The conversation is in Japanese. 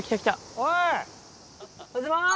おはようございます！